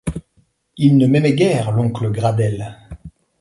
Il ne m’aimait guère, l’oncle Gradelle.